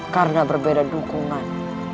karena berbeda dukungan